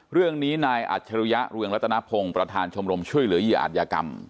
เรื่องนี้นายอัจฉริยะเรืองรัตนพงศ์ประธานชมรมช่วยเหลือเหยื่ออาจยากรรม